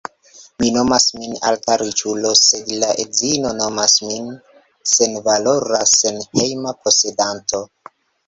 Mi nomas min alta riĉulo sed la edzino nomas min senvalora senhejm-posedanto